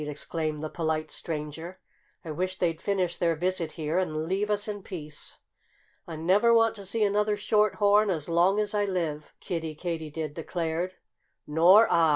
exclaimed the polite stranger. "I wish they'd finish their visit here and leave us in peace." "I never want to see another Short horn as long as I live," Kiddie Katydid declared. "Nor I!"